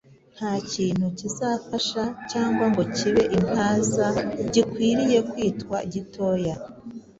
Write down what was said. nta kintu kizafasha cyangwa ngo kibe intaza gikwiye kwitwa gitoya.